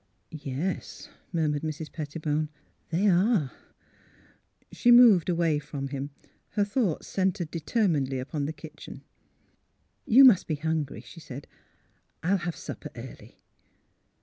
" Yes," murmured Mrs. Pettibone, " thej^ are." She moved away from him, her thoughts cen tred determinedly upon the kitchen. " You must be hungry," she said. " I will have supper early."